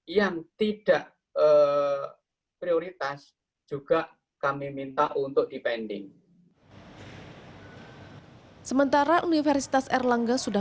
yang tidak prioritas juga kami minta untuk dipending sementara universitas erlangga sudah